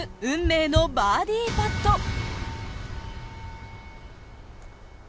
運命のバーディパット。